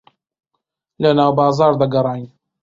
لەناو بازاڕ دەگەڕاین.